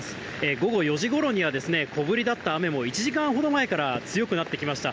午後４時ごろには小降りだった雨も、１時間ほど前から強くなってきました。